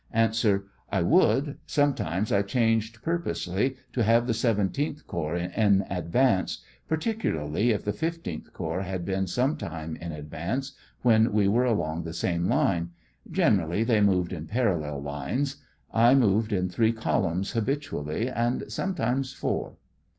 69 A. I would ; sometimes I changed purposely to have the 17th corps in advance, particularly if the 15th corps had been some time in advance, when we were along the same line ;, generally they moved in parallel lines ; I moved in three columns habitually, and some times four.